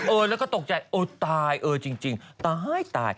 แล้วก็ตกใจเออตายเออจริงตายตาย